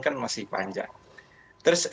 kan masih panjang terus